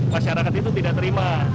masyarakat itu tidak terima